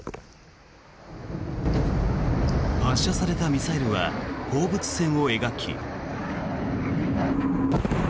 発射されたミサイルは放物線を描き。